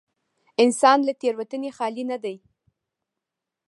انسان له تېروتنې خالي نه دی.